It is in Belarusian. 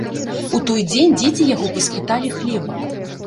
У той дзень дзеці яго паспыталі хлеба.